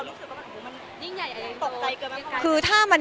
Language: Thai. เนื้อหาดีกว่าน่ะเนื้อหาดีกว่าน่ะ